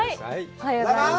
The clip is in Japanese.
おはようございます。